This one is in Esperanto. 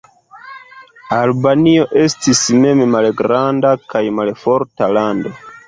Albanio estis mem malgranda kaj malforta lando.